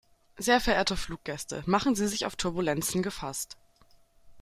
Sehr verehrte Fluggäste, machen Sie sich auf Turbulenzen gefasst.